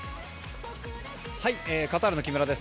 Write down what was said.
カタールの木村です。